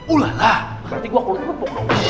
ulala berarti gua kerupuk